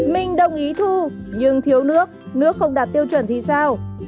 mình đồng ý thu nhưng thiếu nước nước không đạt tiêu chuẩn thì sao